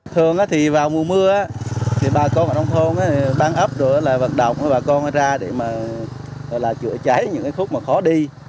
thường thì vào mùa mưa bà con ở trong thôn băng ấp rồi là vận động bà con ra để mà chữa cháy những khúc khó đi